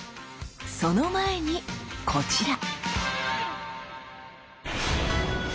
その前にこちら！